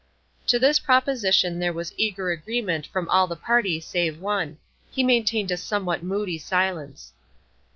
To this proposition there was eager agreement from all the party save one; he maintained a somewhat moody silence.